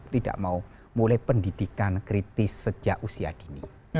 tidak mau mulai pendidikan kritis sejak usia dini